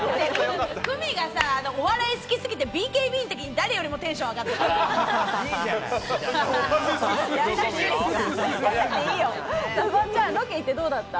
久美が、お笑い好きすぎてＢＫＢの時に、誰よりもテンション上がってた。